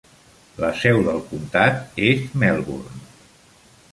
La seu del comtat és Melbourne.